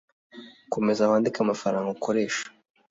Komeza wandike amafaranga ukoresha.